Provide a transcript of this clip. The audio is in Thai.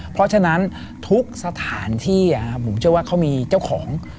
เพราะฉะนั้นทุกสถานที่ผมเชื่อว่าเขามีเจ้าของ